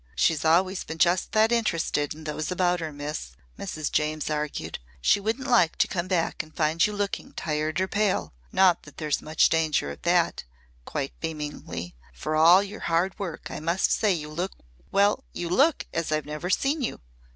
She's always been just that interested in those about her, Miss," Mrs. James argued. "She wouldn't like to come back and find you looking tired or pale. Not that there's much danger of that," quite beamingly. "For all your hard work, I must say you look well, you look as I've never seen you.